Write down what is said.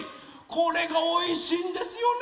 これがおいしいんですよね